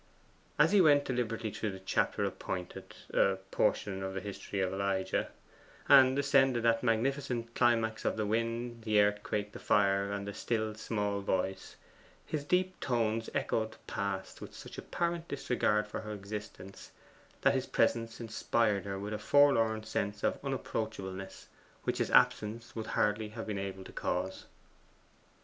As he went deliberately through the chapter appointed a portion of the history of Elijah and ascended that magnificent climax of the wind, the earthquake, the fire, and the still small voice, his deep tones echoed past with such apparent disregard of her existence, that his presence inspired her with a forlorn sense of unapproachableness, which his absence would hardly have been able to cause.